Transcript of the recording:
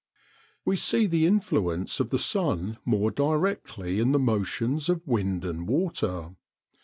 We see the influence of the sun more directly in the motions of wind and water.